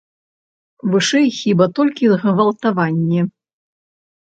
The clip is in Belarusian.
Вышэй, хіба, толькі згвалтаванні.